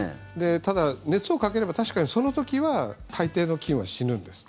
ただ、熱をかければ確かにその時は大抵の菌は死ぬんです。